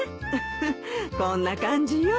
フフッこんな感じよ。